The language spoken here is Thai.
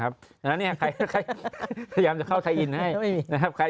พยายามจะเข้าทายอินให้